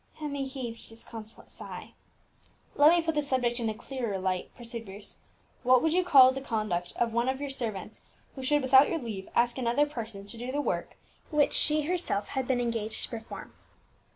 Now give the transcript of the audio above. Emmie heaved a disconsolate sigh. "Let me put the subject in a clearer light," pursued Bruce. "What would you call the conduct of one of your servants who should, without your leave, ask another person to do the work which she herself had been engaged to perform?"